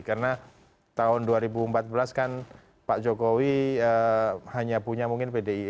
karena tahun dua ribu empat belas kan pak jokowi hanya punya mungkin pdi